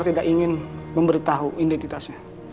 saya tidak ingin memberitahu identitasnya